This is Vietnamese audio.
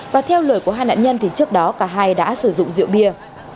và theo lời của hai nạn nhân thì trước đó cả hai đã sử dụng rượu bia